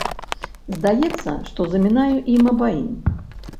Здаецца, што замінаю ім абаім.